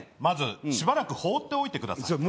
まずしばらく放っておいてください。